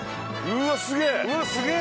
うわっすげえ！